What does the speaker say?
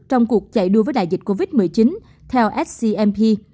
trong cuộc chạy đua với đại dịch covid một mươi chín theo scmp